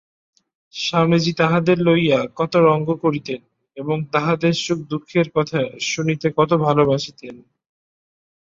স্বামীজী তাহাদের লইয়া কত রঙ্গ করিতেন এবং তাহাদের সুখদুঃখের কথা শুনিতে কত ভালবাসিতেন।